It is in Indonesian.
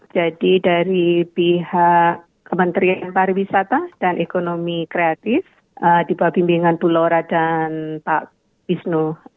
jadi dari pihak kementerian pariwisata dan ekonomi kreatif di bawah pembimbingan bu laura dan pak isno